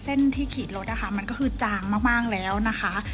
เส้นที่ขีดรถนะคะมันก็คือจางมากแล้วนะคะ